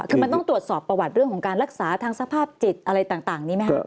คือมันต้องตรวจสอบประวัติเรื่องของการรักษาทางสภาพจิตอะไรต่างนี้ไหมครับ